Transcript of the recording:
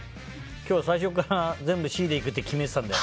今日は最初から全部Ｃでいくって決めてたので。